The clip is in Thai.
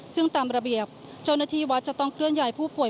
ซึ่งตามระเบียบเจ้าหน้าที่วัดจะต้องเคลื่อนย้ายผู้ป่วย